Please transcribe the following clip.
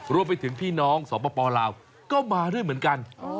รวมไปถึงพี่น้องสปลาวก็มาด้วยเหมือนกัน